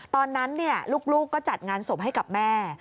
ตอนนั้นลูกก็จัดงานศพให้กับแม่